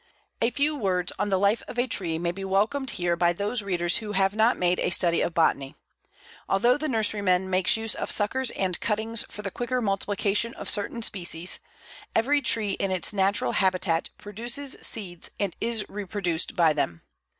A few words on the life of a tree may be welcomed here by those readers who have not made a study of botany. Although the nurseryman makes use of suckers and cuttings for the quicker multiplication of certain species, every tree in its natural habitat produces seeds and is reproduced by them.